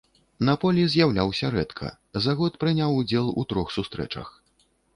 На полі з'яўляўся рэдка, за год прыняў удзел у трох сустрэчах.